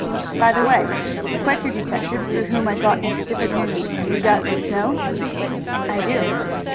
"By the way, the Quaker detective through whom I got into difficulty you doubtless know?" "I do."